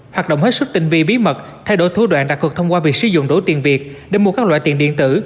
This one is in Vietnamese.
hoạt động hết sức tình vi bí mật thay đổi thủ đoạn đặc thực thông qua việc sử dụng đổ tiền việt để mua các loại tiền điện tử